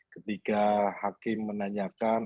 ketika hakim menanyakan